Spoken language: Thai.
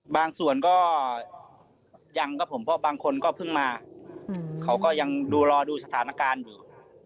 บางส่วนก็ยังครับผมเพราะบางคนก็เพิ่งมาเขาก็ยังดูรอดูสถานการณ์อยู่